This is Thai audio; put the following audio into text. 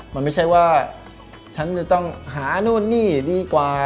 มันไม่ใช่ว่าฉันจะต้องหานู่นนี่ดีกว่า